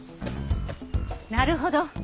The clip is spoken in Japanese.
なるほど。